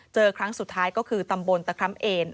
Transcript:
ครั้งสุดท้ายก็คือตำบลตะคร้ำเอน